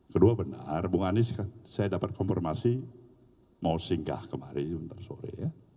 kedua benar bung anies saya dapat konfirmasi mau singgah kemarin sebentar sore ya